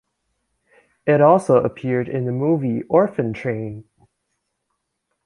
It also appeared in the movie "Orphan Train".